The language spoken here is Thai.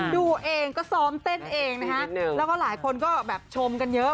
ดูเองก็ซ้อมเต้นเองนะฮะแล้วก็หลายคนก็แบบชมกันเยอะ